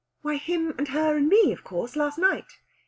"Why, him and her and me, of course. Last night."